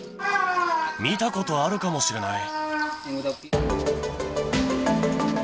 見たことあるかもしれない。